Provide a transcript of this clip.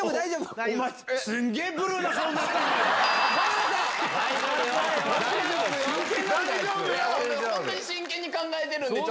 ほんまに真剣に考えてるんで。